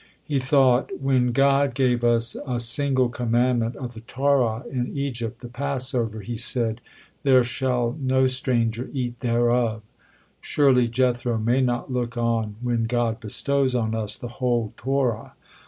He thought: "When God gave us a single commandment of the Torah in Egypt, the Passover, He said, 'There shall no stranger eat thereof.' Surely Jethro may not look on when God bestows on us the whole Torah."